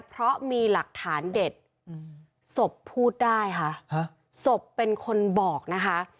เพราะมีหลักฐานเด็ดศพพูดได้ค่ะศพเป็นคนบอกนะคะ